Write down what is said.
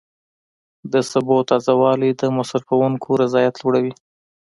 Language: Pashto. د سبو تازه والی د مصرفونکو رضایت لوړوي.